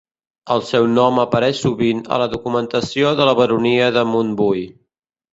El seu nom apareix sovint a la documentació de la baronia de Montbui.